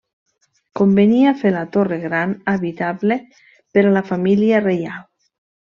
Convenia fer la Torre Gran habitable per a la família reial.